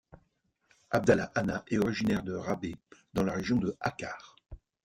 Abdallah Hanna est originaire de Rahbe dans la région de Akkar.